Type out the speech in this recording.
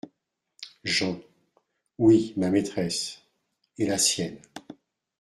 Jean. — Oui, ma maîtresse… et la sienne.